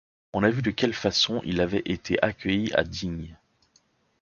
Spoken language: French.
On a vu de quelle façon il avait été accueilli à Digne.